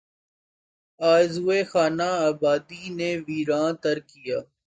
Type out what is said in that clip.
آرزوئے خانہ آبادی نے ویراں تر کیا